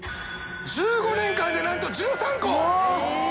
１５年間で何と１３個。